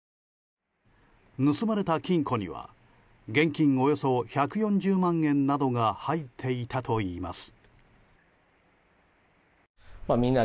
盗まれた金庫には現金およそ１４０万円などが入っていたといいます。